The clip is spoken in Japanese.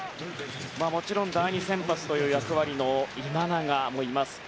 もちろん第２先発という役割の今永もいます。